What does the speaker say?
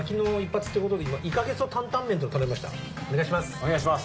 お願いします！